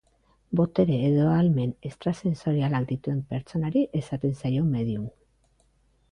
Botere edo ahalmen estrasensorialak dituen pertsonari esaten zaio medium.